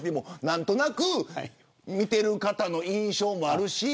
何となく見ている方の印象もあるし